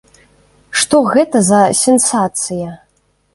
Што гэта за сенсацыя?